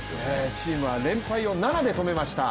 チームは連敗を７で止めました。